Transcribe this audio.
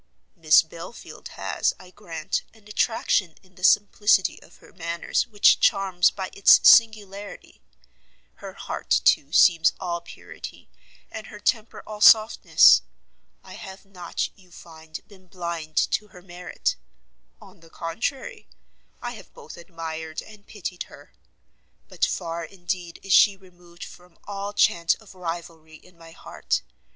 "Miss Belfield has, I grant, an attraction in the simplicity of her manners which charms by its singularity; her heart, too, seems all purity, and her temper all softness. I have not, you find, been blind to her merit; on the contrary, I have both admired and pitied her. But far indeed is she removed from all chance of rivalry in my heart!